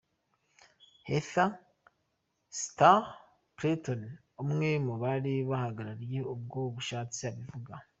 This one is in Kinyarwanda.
Heather Stapleton umwe mu bari bahagarariye ubwo bushatsi abivuga.